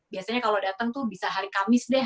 biasanya kalau datang tuh bisa hari kamis deh